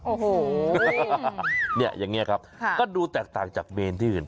โอ้โหเนี่ยอย่างนี้ครับก็ดูแตกต่างจากเมนที่อื่น